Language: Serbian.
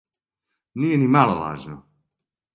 Није ни мало важно!